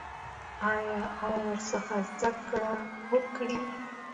آیا او ورڅخه زده کړه وکړي؟